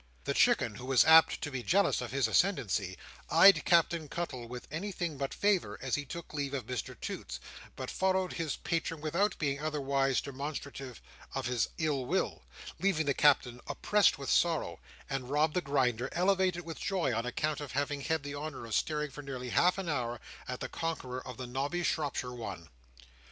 The Chicken, who was apt to be jealous of his ascendancy, eyed Captain Cuttle with anything but favour as he took leave of Mr Toots, but followed his patron without being otherwise demonstrative of his ill will: leaving the Captain oppressed with sorrow; and Rob the Grinder elevated with joy, on account of having had the honour of staring for nearly half an hour at the conqueror of the Nobby Shropshire One.